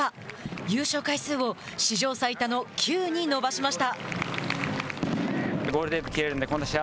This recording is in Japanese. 優勝回数を史上最多の９に伸ばしました。